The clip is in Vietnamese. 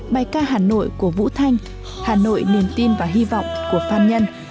bài ca hà nội của vũ thanh hà nội niềm tin và hy vọng của phan nhân